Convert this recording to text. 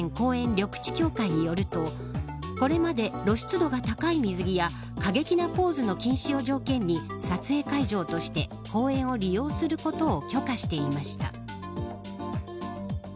緑地協会によるとこれまで露出度が高い水着や過激なポーズの禁止を条件に撮影会場として公園を利用することを許可していました。